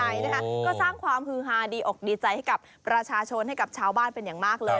ใช่นะคะก็สร้างความฮือฮาดีอกดีใจให้กับประชาชนให้กับชาวบ้านเป็นอย่างมากเลย